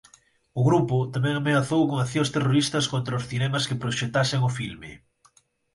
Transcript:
O grupo tamén ameazou con accións terroristas contra os cinemas que proxectasen o filme.